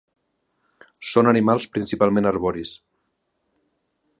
Són animals principalment arboris.